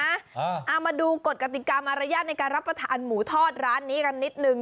เอามาดูกฎกติกามารยาทในการรับประทานหมูทอดร้านนี้กันนิดนึง